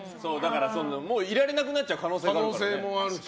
いられなくなる可能性もあるからね。